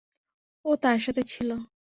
ও তার সাথে ছিল।